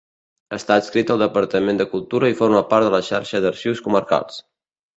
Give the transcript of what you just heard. Està adscrit al Departament de Cultura i forma part de la Xarxa d'Arxius Comarcals.